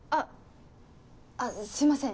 あすいません